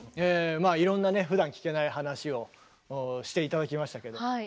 まあいろんなねふだん聞けない話をして頂きましたけども。